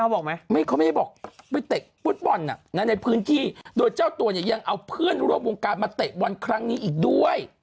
ไปเตะฟุตบอลน่ะน่ะในพื้นที่โดยเจ้าตัวเนี้ยยังเอาเพื่อนร่วมวงการมาเตะวันครั้งนี้อีกด้วย